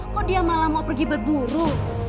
kok dia malah mau pergi berburu